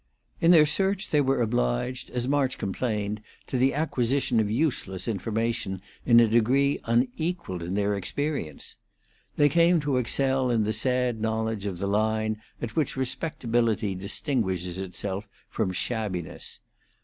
In their search they were obliged, as March complained, to the acquisition of useless information in a degree unequalled in their experience. They came to excel in the sad knowledge of the line at which respectability distinguishes itself from shabbiness.